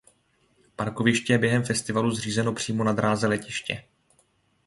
Parkoviště je během festivalu zřízeno přímo na dráze letiště.